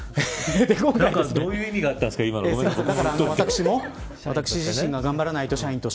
どういう意味があったんですか